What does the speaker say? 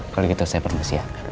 kalau gitu saya permisi ya